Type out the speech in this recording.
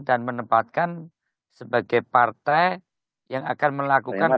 dan menempatkan sebagai partai yang akan melakukan